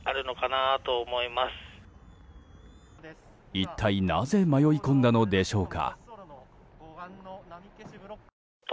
一体なぜ迷い込んだのでしょうか。